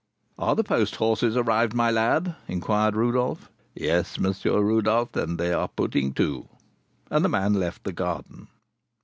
"Are the post horses arrived, my lad?" inquired Rodolph. "Yes, M. Rodolph; and they are putting to." And the man left the garden.